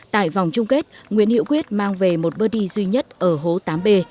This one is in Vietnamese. tại vòng chung kết nguyễn hữu quyết mang về một body duy nhất ở hố tám b